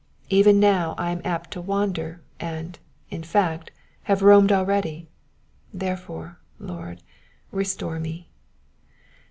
Even now I am apt to wander, and, in fact, have roamed already ; therefore, Lord, restore me.